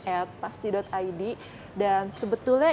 atpasti id dan sebetulnya